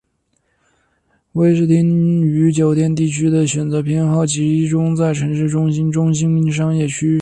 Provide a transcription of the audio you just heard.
威士汀对于酒店地点的选择偏好集中在城市中的中心商业区。